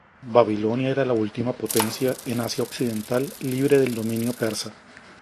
Babilonia era la última potencia en Asia occidental libre del dominio persa.